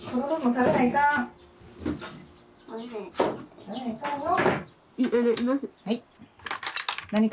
食べないかんよ。